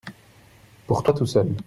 Pour toi tout seul.